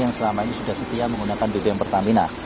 yang selama ini sudah setia menggunakan bbm pertamina